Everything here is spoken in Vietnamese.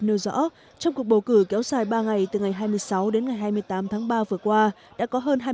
nêu rõ trong cuộc bầu cử kéo dài ba ngày từ ngày hai mươi sáu đến ngày hai mươi tám tháng ba vừa qua đã có hơn hai mươi bốn hai mươi năm